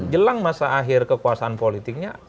jelang masa akhir kekuasaan politiknya